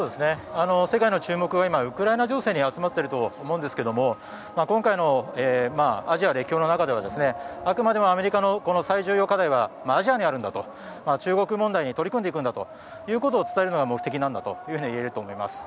世界の注目は今ウクライナ情勢に集まっていると思うんですけども今回のアジア歴訪の中ではあくまでもアメリカの最重要課題はアジアにあると中国問題に取り込んでいくんだということを伝えるのが目的なんだといえると思います。